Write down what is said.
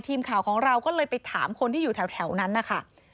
ทีมข่าวของเราก็เลยไปถามคนที่อยู่แถวนั้นนะคะ